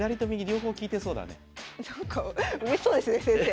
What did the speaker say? なんかうれしそうですね先生。